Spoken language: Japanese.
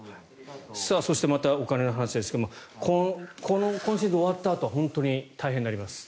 そしてまたお金の話ですが今シーズン終わったあと本当に大変になります。